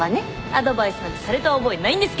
アドバイスなんてされた覚えないんですけど。